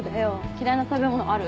嫌いな食べ物ある？